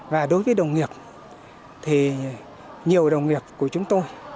và đối với đồng nghiệp thì nhiều đồng nghiệp của chúng tôi